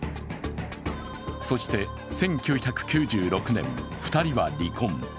そして１９９６年、２人は離婚。